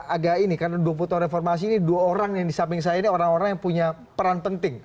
agak ini karena dua puluh tahun reformasi ini dua orang yang di samping saya ini orang orang yang punya peran penting